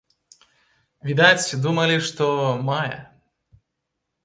Відаць, думалі, што мае.